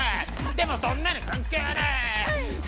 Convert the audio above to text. でもそんなの関係ねえ！